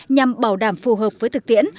nhằm bảo đảm phù hợp với thực tiễn